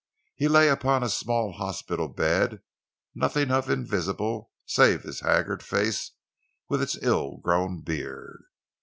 He lay upon a small hospital bed, nothing of him visible save his haggard face, with its ill grown beard.